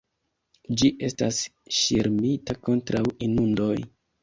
Ĝi estas ŝirmita kontraŭ inundoj.